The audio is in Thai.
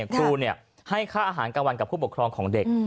ครูให้ค่าอาหารกลางวันกับผู้ปกครองของเด็ก